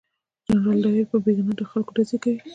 جنرال ډایر په بې ګناه خلکو ډزې وکړې.